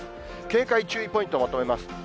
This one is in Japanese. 警戒注意ポイント、まとめます。